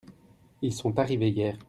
Ils sont arrivés hier.